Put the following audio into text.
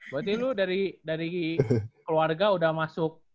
berarti lu dari keluarga udah masuk ke jawa barat